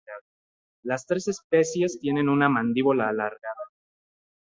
Las tres especies tienen un mandíbula alargada.